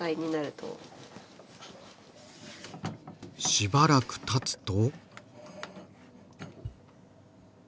しばらくたつと。